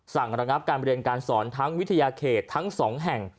ระงับการเรียนการสอนทั้งวิทยาเขตทั้ง๒แห่ง